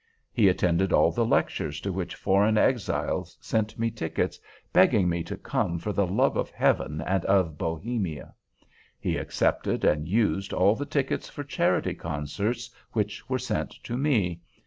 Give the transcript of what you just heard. He attended all the lectures to which foreign exiles sent me tickets begging me to come for the love of Heaven and of Bohemia. He accepted and used all the tickets for charity concerts which were sent to me.